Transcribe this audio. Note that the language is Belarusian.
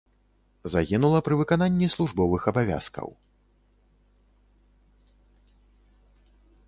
Загінула пры выкананні службовых абавязкаў.